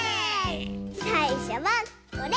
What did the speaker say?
さいしょはこれ。